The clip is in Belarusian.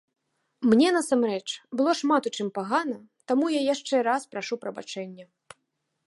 Мне насамрэч было шмат у чым пагана, таму я яшчэ раз прашу прабачэння!